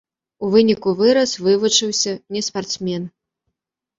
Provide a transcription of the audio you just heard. У выніку вырас, вывучыўся, не спартсмен.